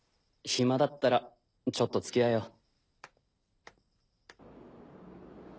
暇だったらちょっとつきあえよ。